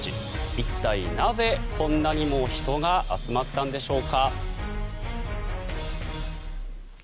一体なぜこんなにも人が集まったんでしょうか。